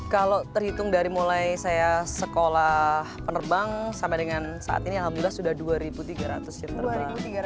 kalau terhitung dari mulai saya sekolah penerbang sampai dengan saat ini alhamdulillah sudah dua tiga ratus yang terbang